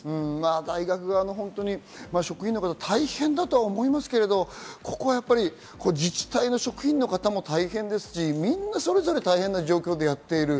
大学の職員の方、大変だと思いますけれど、自治体の職員の方も大変ですしみんなそれぞれ大変です。